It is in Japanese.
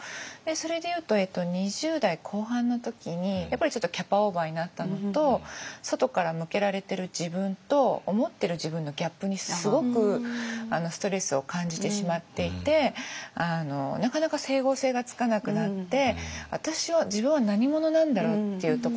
それでいうと２０代後半の時にやっぱりちょっとキャパオーバーになったのと外から向けられてる自分と思ってる自分のギャップにすごくストレスを感じてしまっていてなかなか整合性がつかなくなって。